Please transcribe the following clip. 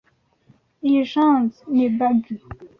Iyi jeans ni baggy.